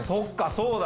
そうだ！